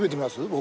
僕。